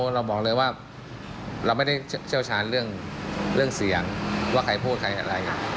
เราบอกเลยว่าเราไม่ได้เชี่ยวชาญเรื่องเสียงว่าใครพูดใครอะไร